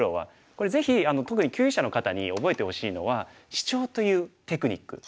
これぜひ特に級位者の方に覚えてほしいのはシチョウというテクニック。